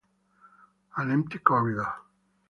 An empty corridor.